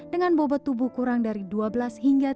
dengan bobot tubuh kurang dari dua belas hingga tiga puluh